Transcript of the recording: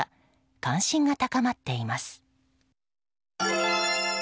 関心が高まっています。